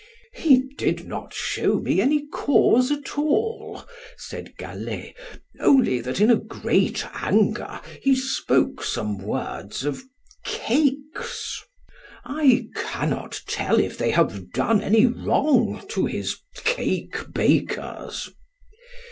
He did not show me any cause at all, said Gallet, only that in a great anger he spoke some words of cakes. I cannot tell if they have done any wrong to his cake bakers.